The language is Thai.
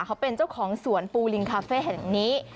เขาเป็นเจ้าของสวนปูลิงคาเฟ่แห่งนี้